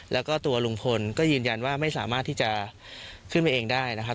แล้วก็ตัวลุงพลก็ยืนยันว่าไม่สามารถที่จะขึ้นไปเองได้นะครับ